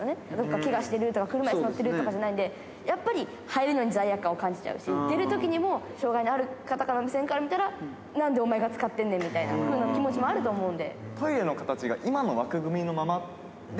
けがしてるとか、車いす乗ってるとかじゃないんで、やっぱり入る罪悪感感じたりするし、っていうときにも、障がいのある方の目線から見たら、なんでお前が使ってんねんみたいな気持ちもあると思うので。